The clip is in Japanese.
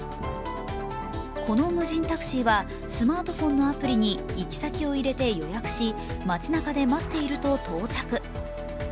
この無人タクシーはスマートフォンのアプリに行き先を入れて予約し街なかで待っていると到着。